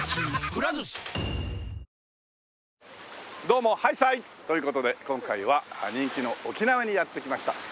どうもはいさい！という事で今回は人気の沖縄にやって来ました。